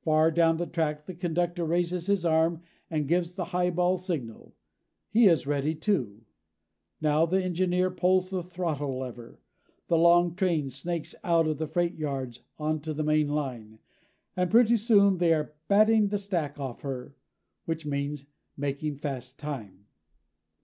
Far down the track the conductor raises his arm and gives the highball signal. He is ready, too. Now the engineer pulls the throttle lever. The long train snakes out of the freight yards onto the main line, and pretty soon they are "batting the stack off her" which means making fast time.